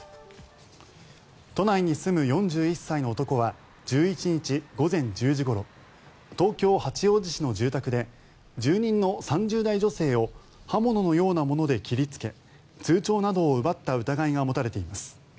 都内に住む４１歳の男は１１日午前１０時ごろ東京・八王子市の住宅で住人の３０代女性を刃物のようなもので切りつけ通帳などを奪った疑いが持たれています。